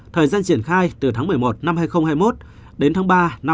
thời gian triển khai từ tháng một mươi một hai nghìn hai mươi một đến tháng ba hai nghìn hai mươi hai